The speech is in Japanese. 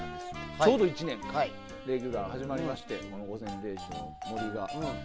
ちょうど１年でレギュラーが始まりまして「午前０時の森」が。